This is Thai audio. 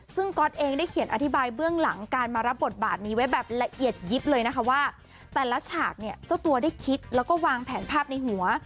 ซึ่งก๊อตเองได้เขียนอธิบายเบื้องหลังการมารับบทบาทนี้ไว้แบบละเอียดยิบเลยนะคะว่าแต่ละฉากเนี่ยเจ้าตัวได้คิดแล้วก็วางแผนภาพในหัว